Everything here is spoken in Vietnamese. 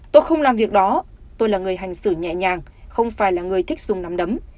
tôi không làm việc đó tôi là người hành xử nhẹ nhàng không phải là người thích dùng nắm đấm